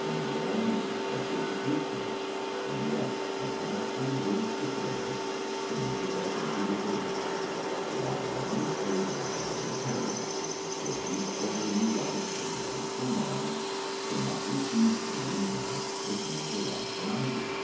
nor will I be suspected to do so; and yet I cannot find words to praise, so much as I think you deserve: so I will only say that your good parents, for whose pleasure you write, as well as for mine, cannot receive or read them with more delight than I do.